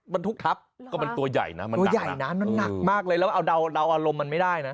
บรรทุกทับก็มันตัวใหญ่นะมันตัวใหญ่นะมันหนักมากเลยแล้วเอาเดาอารมณ์มันไม่ได้นะ